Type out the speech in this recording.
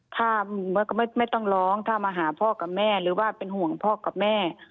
ถ้าไม่ต้องร้องถ้ามาหาพ่อกับแม่หรือว่าเป็นห่วงพ่อกับแม่